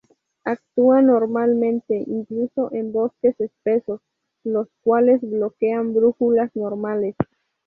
Actúa normalmente incluso en bosques espesos, los cuales bloquean brújulas normales.